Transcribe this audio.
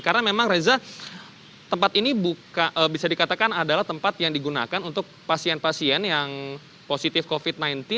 karena memang reza tempat ini bisa dikatakan adalah tempat yang digunakan untuk pasien pasien yang positif covid sembilan belas